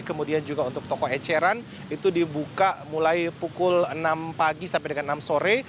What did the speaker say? kemudian juga untuk toko eceran itu dibuka mulai pukul enam pagi sampai dengan enam sore